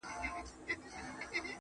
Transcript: o راسره جانانه .